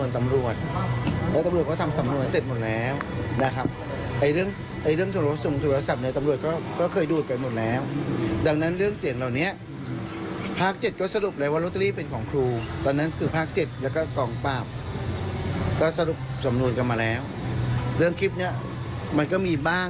ทบทวนเลขอะไรอย่างเงี้ยก็จะมีแบบนี้อยั่น